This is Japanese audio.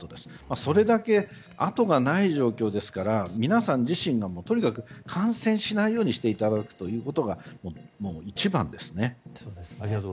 それだけ、後がない状況ですから皆さん自身がとにかく感染しないようにしていただくことが一番ですね。